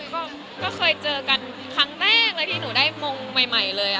ก็เคยเจอกันครั้งแรกเลยที่หนูได้มงใหม่เลย